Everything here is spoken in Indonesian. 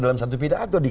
dalam satu pidato